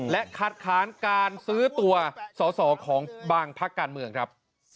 และคัดค้านการซื้อตัวสอสอของบางพักการเมืองครับ